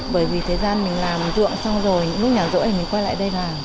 bởi vì thời gian mình làm dựa xong rồi lúc nhả rỗi thì mình quay lại đây vào